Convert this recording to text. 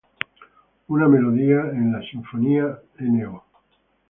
Una melodía en la sinfonía no.